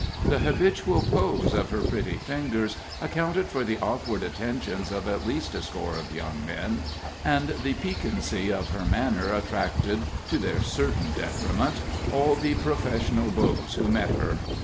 The habitual pose of her pretty fingers accounted for the awkward attentions of at least a score of young men, and the piquancy of her manner attracted, to their certain detriment, all the professional beaus who met her.